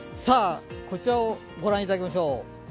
こちらを御覧いただきましょう。